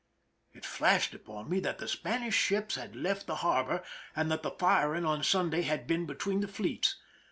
" It flashed upon me that the Spanish ships had left the harbor, and that the firing on Sunday had been be tween the fleets.